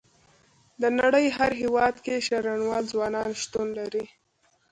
د نړۍ هر هيواد کې شرنوال ځوانان شتون لري.